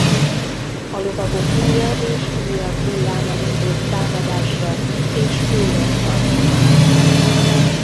A lovagok újabb és újabb hulláma indult támadásra és hullott halomra.